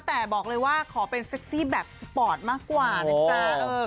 แต่บอกเลยว่าขอเป็นเซ็กซี่แบบสปอร์ตมากกว่านะจ๊ะ